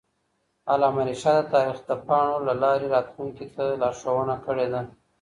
علامه رشاد د تاریخ د پاڼو له لارې راتلونکي ته لارښوونه کړې ده.